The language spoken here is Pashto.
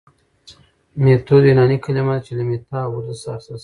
ميتود يوناني کلمه ده چي له ميتا او هودس څخه اخستل سوي